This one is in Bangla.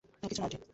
কিছু না, আন্টি।